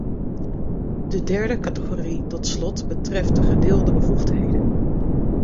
De derde categorie tot slot betreft de gedeelde bevoegdheden.